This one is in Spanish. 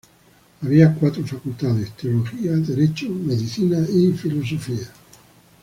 Había cuatro facultades: Teología, Derecho, Medicina y Filosofía.